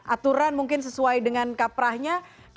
aturan mungkin sesuai dengan kaprahnya